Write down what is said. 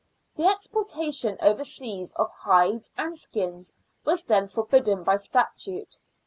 The exportation oversea of hides and skins was then forbidden by statute.